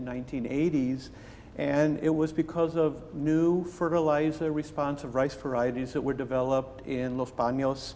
dan itu berdasarkan pengembangan serbuk nasi yang baru yang terbuat di los banos